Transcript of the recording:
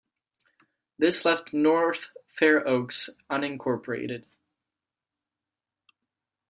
This left North Fair Oaks unincorporated.